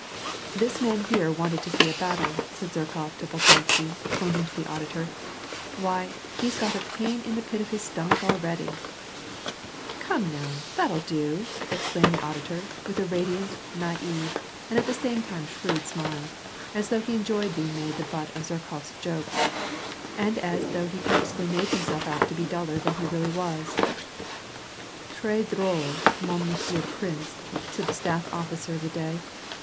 "This man here wanted to see a battle," said Zherkof to Bolkonsky, pointing to the auditor. " Why, he's got a pain in the pit of his stomach already !" "Come now, that'll do," exclaimed the auditor with a radiant, naive and at the same time shrewd smile, as though he enjoyed being made the butt of Zherkof's jokes, and as though he purposely made himself out to be duller than he really was. "TrM drole, mon monsieur princey^ said the staff officer of the day.